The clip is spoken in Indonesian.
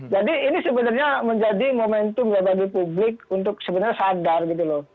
jadi ini sebenarnya menjadi momentum ya bagi publik untuk sebenarnya sadar gitu loh